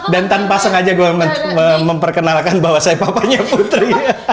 dan tanpa sengaja gue memperkenalkan bahwa saya papanya putri